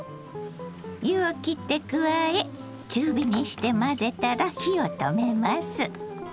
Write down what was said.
湯をきって加え中火にして混ぜたら火を止めます。